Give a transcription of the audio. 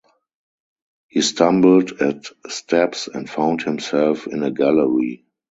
He stumbled at steps and found himself in a gallery.